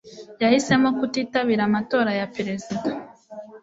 Yahisemo kutitabira amatora ya perezida.